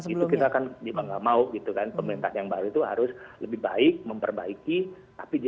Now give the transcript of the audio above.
itu kita kan juga nggak mau gitu kan pemerintahan yang baru itu harus lebih baik memperbaiki tapi dia